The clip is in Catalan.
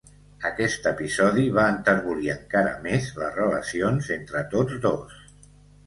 Aquest episodi va enterbolir encara més les relacions entre tots dos.